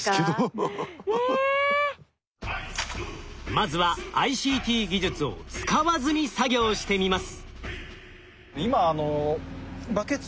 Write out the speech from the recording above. まずはＩＣＴ技術を使わずに作業してみます。